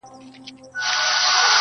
لاس تر غاړه له خپل بخت سره جوړه سوه؛